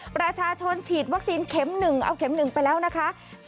ประชาชนฉีดวัคซีนเข็ม๑เอาเข็ม๑ไปแล้วนะคะ